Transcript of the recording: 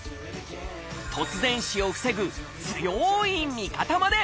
突然死を防ぐ強い味方まで。